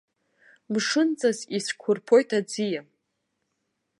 Мшынҵас ицәқәырԥоит аӡиа.